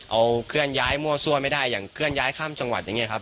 เอาเคลื่อนย้ายมั่วซั่วไม่ได้อย่างเคลื่อนย้ายข้ามจังหวัดอย่างนี้ครับ